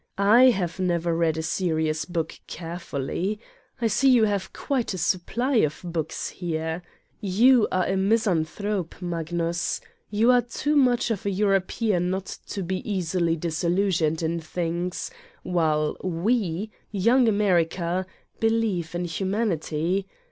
I have never read a serious book carefully. I see you have quite a supply of books here. You are a misanthrope, Magnus. You are too much of a European not to be easily disillusioned in things, while we, young America, believe in humanity.